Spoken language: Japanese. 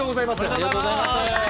ありがとうございます。